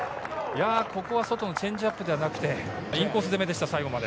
ここは外のチェンジアップではなくてインコース攻めでした、最後まで。